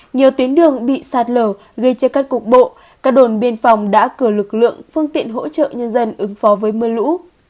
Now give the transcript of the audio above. nhiều tuyến đường bị sạt lở gây chia cắt cục bộ các đồn biên phòng đã cử lực lượng phương tiện hỗ trợ nhân dân ứng phó với mưa lũ